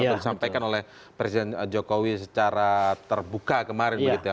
untuk disampaikan oleh presiden jokowi secara terbuka kemarin begitu ya